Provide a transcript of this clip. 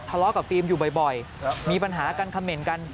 ทะเลาะกับฟิล์มอยู่บ่อยมีปัญหากันคำเหม็นกัน